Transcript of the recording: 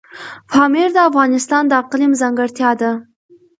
پامیر د افغانستان د اقلیم ځانګړتیا ده.